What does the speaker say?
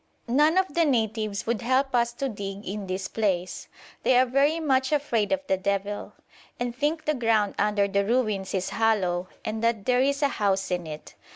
None of the natives would help us to dig in this place. They are very much afraid of the Devil, and think the ground under the ruins is hollow and that there is a house in it.